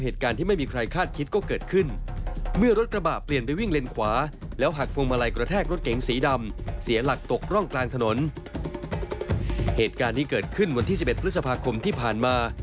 ที่เกิดขึ้นวันที่๑๑พฤษภาคมที่ผ่านมา